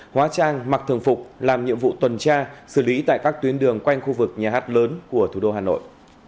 hóa trang mặc thường phục làm nhiệm vụ tuần tra xử lý tại các tuyến đường quanh khu vực nhà hát lớn của thủ đô hà nội